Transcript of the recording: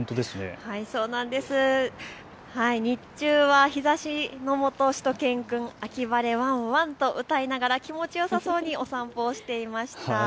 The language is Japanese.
日中は日ざしのもとしゅと犬くん、秋晴れワンワンと歌いながら気持ちよさそうにお散歩をしていました。